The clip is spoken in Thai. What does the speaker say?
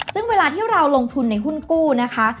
ซึ่งเวลาที่เราลงทุนในหุ้นกู้นะคะ